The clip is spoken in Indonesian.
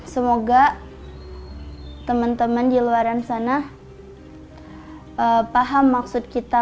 semoga teman teman di luar sana paham maksud kita